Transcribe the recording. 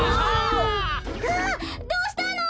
あっどうしたの？